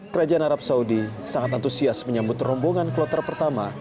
kerajaan arab saudi sangat antusias menyambut rombongan kloter pertama